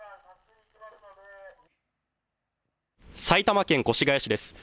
埼玉県越谷市です。